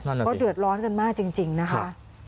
เพราะเดือดร้อนกันมากจริงนะคะ